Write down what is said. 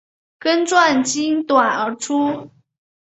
根状茎短而粗。